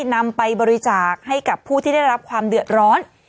นำไปบริจาคให้กับผู้ที่ได้รับความเดือดร้อน